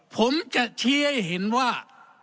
ผมจะชี้ให้เห็นว่า